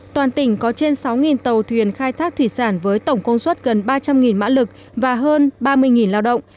toàn tỉnh có trên sáu tàu thuyền khai thác thủy sản với tổng công suất gần ba trăm linh mã lực và hơn ba mươi lao động